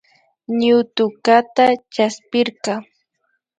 Ñutukata chaspirka